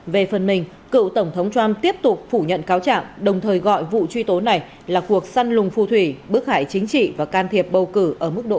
về phần mình cựu tổng thống trump tiếp tục phủ nhận cáo trạng đồng thời gọi vụ truy tố này là cuộc săn lùng phu thủy bức hải chính trị và can thiệp bầu cử ở mức độ